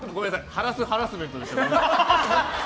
ハラスハラスメントでした。